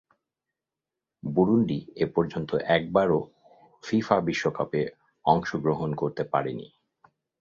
Burundi এপর্যন্ত একবারও FIFA বিশ্বকাপে অংশগ্রহণ করতে পারেনি।